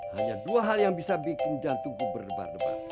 hanya dua hal yang bisa bikin jantungku berdebar debar